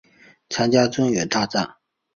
参加中原大战。